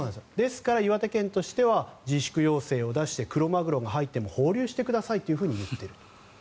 ですから岩手県としては自粛要請を出してクロマグロが入っても放流してくださいと言っている。